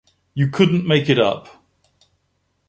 You couldn't make it up.